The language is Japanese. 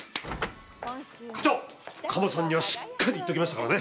課長鴨さんにはしっかり言っときましたからね！ね